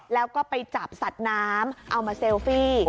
แล้วก็ไปจับสัตว์น้ำเอามาเซลฟี่